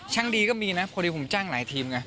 ช่างดีก็มีนะพอดีผมจ้างหลายทีม